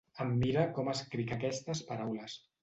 Em mira com escric aquestes paraules.